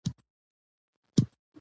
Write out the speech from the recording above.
د بانک په ویب پاڼه کې د اړیکو شمیرې شته.